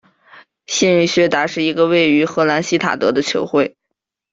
幸运薛达是一个位于荷兰锡塔德的球会。